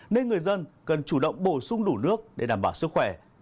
nên người dân cần chủ động bổ sung đủ nước để đảm bảo sức khỏe